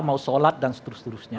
mau sholat dan seterus terusnya